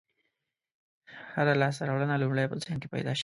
هره لاستهراوړنه لومړی په ذهن کې پیدا شوې.